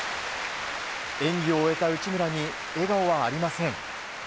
演技を終えた内村に笑顔はありません。